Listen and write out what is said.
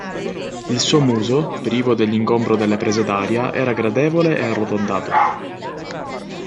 Il suo muso, privo dell'ingombro delle prese d'aria, era gradevole e arrotondato.